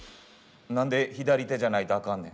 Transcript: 何で左手じゃないとアカンねん？